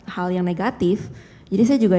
hal yang negatif jadi saya juga